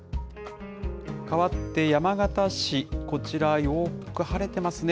かわって山形市、こちら、よく晴れてますね。